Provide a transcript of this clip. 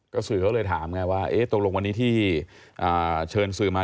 สื่อเขาเลยถามไงว่าตกลงวันนี้ที่เชิญสื่อมา